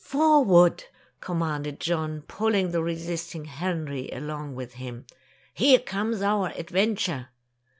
"Forward!" commanded John, pulling the resisting Henry along with him. "Here comes our adventure!"